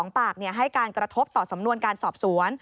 ๒ปากให้การกระทบต่อสำนวนการสอบสวน